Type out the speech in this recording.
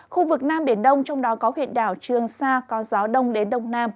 khu vực nam biển đông trong đó có huyện đảo trường sa có gió đông đến đông nam